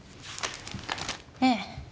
ええ。